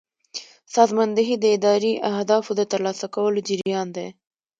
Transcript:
سازماندهي د اداري اهدافو د ترلاسه کولو جریان دی.